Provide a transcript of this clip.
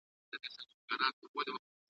د بلا مخ ته هغه وو پرې ایستلی ,